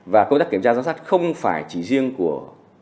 và công tác kiểm tra giám sát không phải chỉ riêng của